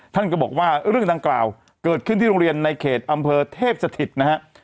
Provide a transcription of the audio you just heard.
ท่านก็บอกว่าเรื่องดังกล่าวเกิดขึ้นที่โรงเรียนในเขตอำเภอเทพสถิตนะฮะ